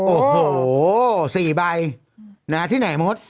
โอ้โห๔ใบที่ไหนมด